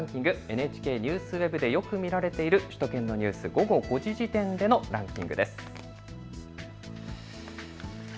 ＮＨＫＮＥＷＳＷＥＢでよく見られている首都圏のニュース、午後５時時点でのランキングです。